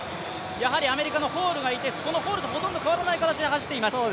やはりアメリカのホールがいて、そのホールと変わらない形で走っています。